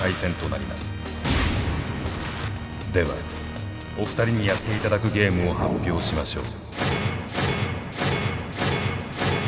ではお２人にやっていただくゲームを発表しましょう。